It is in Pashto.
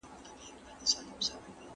هغې ته دا روحيه ورکړي.